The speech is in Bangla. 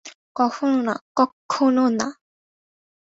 কখনো না, কক্ষনো না।